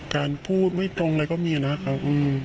การพูดไม่ตรงอะไรก็มีนะครับ